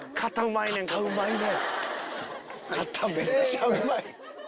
肩めっちゃうまい！